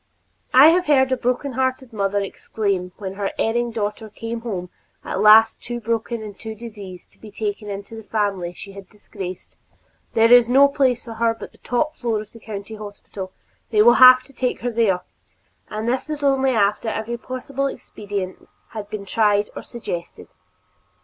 I have heard a broken hearted mother exclaim when her erring daughter came home at last too broken and diseased to be taken into the family she had disgraced, "There is no place for her but the top floor of the County Hospital; they will have to take her there," and this only after every possible expedient had been tried or suggested.